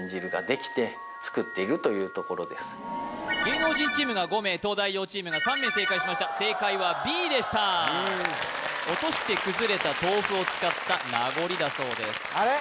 芸能人チームが５名東大王チームが３名正解しました正解はＢでした落として崩れた豆腐を使った名残だそうですあれ？